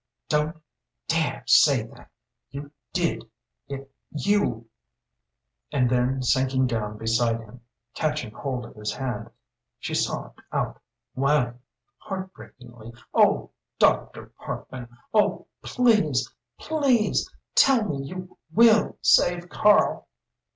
"Don't dare say that! You did it you " And then, sinking down beside him, catching hold of his hand, she sobbed out, wildly, heartbreakingly "Oh, Dr. Parkman oh, please please tell me you will save Karl!"